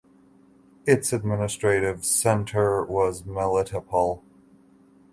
Its administrative centre was Melitopol.